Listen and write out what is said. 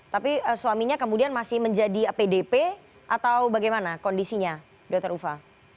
tapi suaminya kemudian masih menjadi pdp atau bagaimana kondisinya dr ufa